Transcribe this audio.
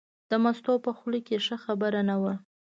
د مستو په خوله کې ښه خبره نه وه.